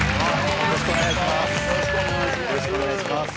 よろしくお願いします